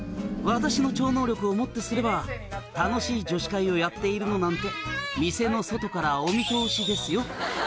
「私の超能力を持ってすれば楽しい女子会をやっているのなんて店の外からお見通しですよ」